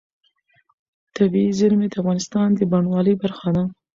طبیعي زیرمې د افغانستان د بڼوالۍ برخه ده.